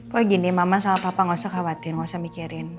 kalo gini mama sama papa gak usah khawatir gak usah mikirin